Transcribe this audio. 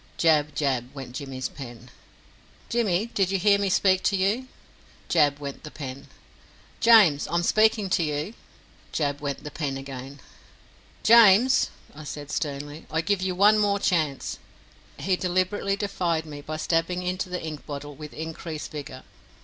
Jab, jab, went Jimmy's pen. "Jimmy, did you hear me speak to you?" Jab went the pen. "James, I am speaking to you!" Jab went the pen again. "James," I said sternly, "I give you one more chance." He deliberately defied me by stabbing into the ink bottle with increased vigour.